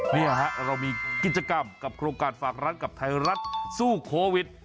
นี่ฮะเรามีกิจกรรมกับโครงการฝากร้านกับไทยรัฐสู้โควิด